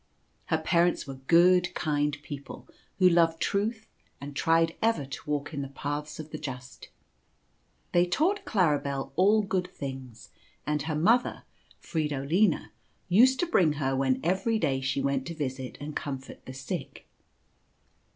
Her parents were good, kind people, who loved truth and tried ever to walk in the paths of the just. They taught Claribel all good things, and her mother, Frido lina, used to bring her when every day she went to visit and comfort the sick.